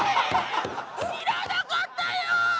知らなかったよ！